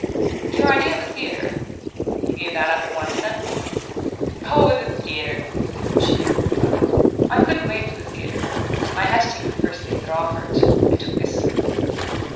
"Your idea of the theatre you gave that up at once, then?" "Oh, the theatre!" She gave a little laugh. "I couldn't wait for the theatre. I had to take the first thing that offered; I took this."